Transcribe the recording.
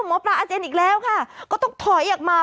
อาเจียนอีกแล้วค่ะก็ต้องถอยออกมา